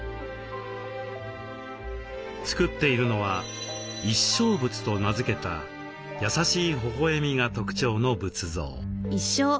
作っているのは「一笑仏」と名付けた優しいほほえみが特徴の仏像。